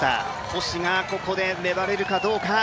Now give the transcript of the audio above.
星がここで粘れるかどうか。